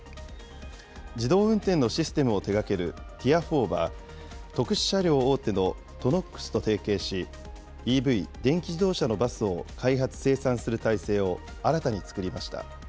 自動運転のシステムを手がけるティアフォーは、特殊車両大手のトノックスと提携し、ＥＶ・電気自動車のバスを開発・生産する体制を新たに作りました。